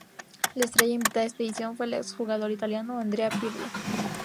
La estrella invitada a esta edición fue el ex-jugador italiano Andrea Pirlo.